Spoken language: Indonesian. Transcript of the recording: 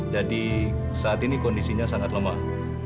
jadi saat ini kondisinya sangat lemah